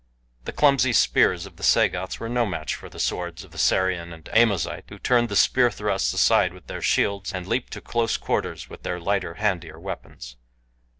The clumsy spears of the Sagoths were no match for the swords of the Sarian and Amozite, who turned the spear thrusts aside with their shields and leaped to close quarters with their lighter, handier weapons.